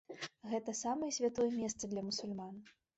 Гэта самае святое месца для мусульман.